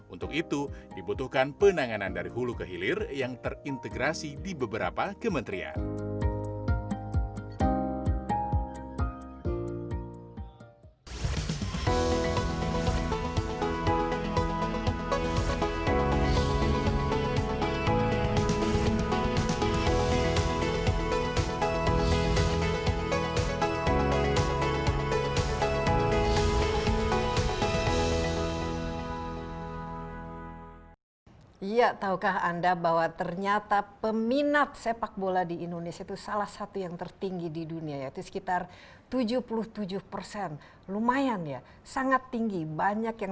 untuk itu dibutuhkan penanganan dari hulu ke hilir yang terintegrasi di beberapa kementerian